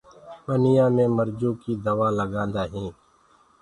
ٻنيآ مي مرجو ڪيٚ دوآ لگآندآ هينٚ۔